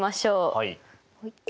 はい。